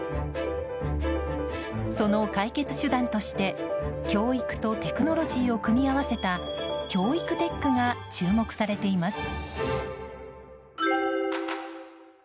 その解決手段として、教育とテクノロジーを組み合わせた教育テックが注目されています。